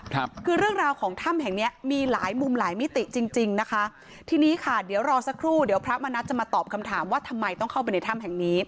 ครับคือเรื่องราวของถ้ำแห่งเนี้ยมีหลายมุมหลายมิติจริงจริงนะคะทีนี้ค่ะเดี๋ยวรอสักครู่เดี๋ยวพระมณัฐจะมาตอบคำถามว่าทำไมต้องเข้าไปในถ้ำแห่งนี้